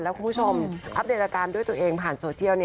แล้วคุณผู้ชมอัปเดตอาการด้วยตัวเองผ่านโซเชียล